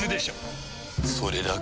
それだけ？